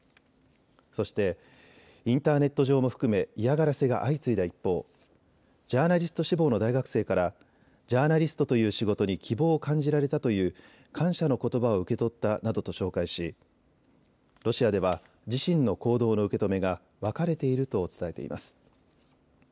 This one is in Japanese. そしてインターネット上も含め嫌がらせが相次いだ一方、ジャーナリスト志望の大学生からジャーナリストという仕事に希望を感じられたという感謝のことばを受け取ったなどと紹介しロシアでは自身の行動の受け止めが分かれていると伝えています。